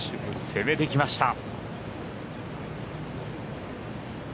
攻めてきました。